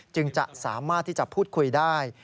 จึงจะสามารถที่จะพูดคุยได้